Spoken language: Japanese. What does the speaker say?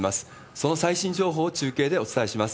その最新情報を中継でお伝えします。